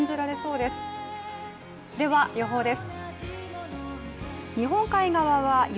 では予報です。